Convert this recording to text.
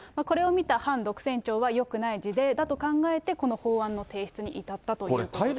これを見た反独占庁は、よくない事例だと考えて、この法案の提出に至ったということです。